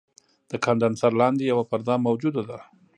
د کاندنسر لاندې یوه پرده موجوده ده.